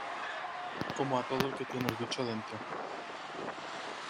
como a todo el que tiene el bicho dentro.